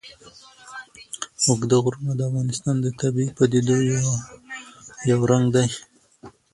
اوږده غرونه د افغانستان د طبیعي پدیدو یو رنګ دی.